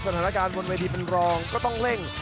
สถานการณ์บนเวทีเป็นรองก็ต้องเร่ง